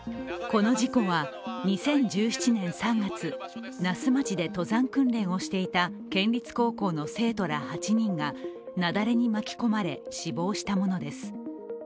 この事故は２０１７年３月、那須町で登山訓練をしていた県立高校の生徒ら８人が雪崩に巻き込まれ、死亡したものです。